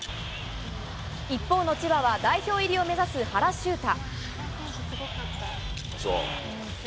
一方の千葉は、代表入りを目指す原修太。